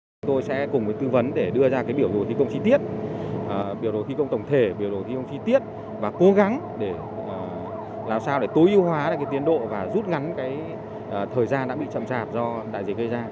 chúng tôi sẽ cùng với tư vấn để đưa ra biểu đồ thi công chi tiết biểu đồ thi công tổng thể biểu đồ thi công chi tiết và cố gắng để làm sao để tối ưu hóa tiến độ và rút ngắn thời gian đã bị chậm chạp do đại dịch gây ra